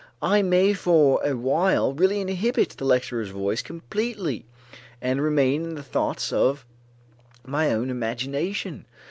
I may for a while really inhibit the lecturer's voice completely and remain in the thoughts of my own imagination.